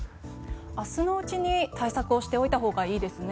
明日のうちに対策をしておいたほうがいいですね。